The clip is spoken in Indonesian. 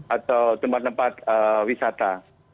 atau tempat tempat wisata